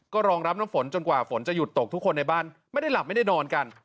ก็รองรับน้ำฝนจนกว่าฝนจะหยุดตกทุกคนในบ้านไม่ได้หลับไม่ได้นอนกัน